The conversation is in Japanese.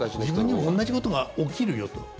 自分にも同じことが起きるよと。